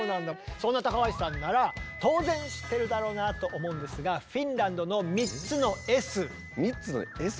そんな高橋さんなら当然知ってるだろうなと思うんですが３つのＳ？